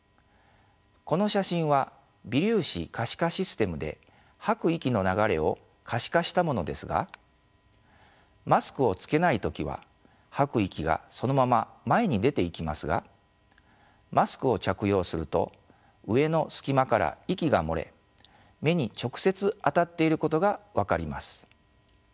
この写真は微粒子可視化システムで吐く息の流れを可視化したものですがマスクをつけない時は吐く息がそのまま前に出ていきますがマスクを着用すると上の隙間から息が漏れ目に直接当たっていることが分かります。